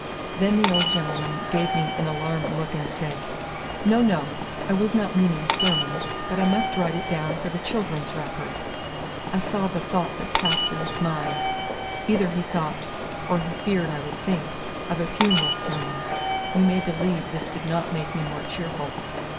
Then the old gentleman gave me an alarmed look, and said, "No, no; I was not meaning a sermon; but I must write it down for the 'Children's Record.'" I saw the thought that passed through his mind. Either he thought, or he feared I would think, of a funeral sermon. You may believe this did not make me more cheerful.